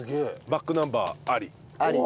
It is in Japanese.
バックナンバーあり。